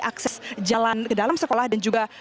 akses jalan ke dalam sekolah dan juga